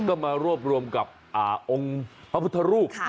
ก็มารวบรวมกับองค์พระพุทธรูป